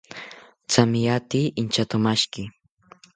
Thame ate inchatomashiki